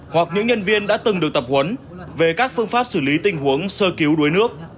hoặc những nhân viên đã từng được tập huấn về các phương pháp xử lý tình huống sơ cứu đuối nước